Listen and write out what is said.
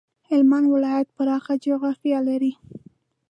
هلمند ولایت پراخه جغرافيه لري.